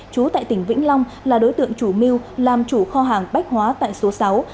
chú tại tỉnh vĩnh long là đối tượng chủ mưu làm chủ kho hàng bách hóa tại số sáu